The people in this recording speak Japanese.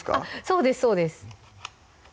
そうですそうです